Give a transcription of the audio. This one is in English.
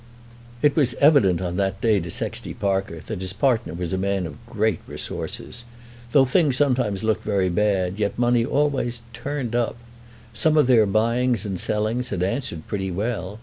It was evident on that day to Sexty Parker that his partner was a man of great resources. Though things sometimes looked very bad, yet money always "turned up." Some of their buyings and sellings had answered pretty well.